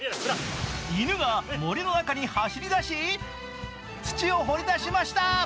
犬が森の中に走り出し、土を掘り出しました。